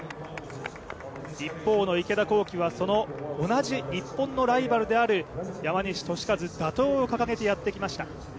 一方の池田向希は同じ日本のライバルである山西利和、打倒を掲げてやってきました。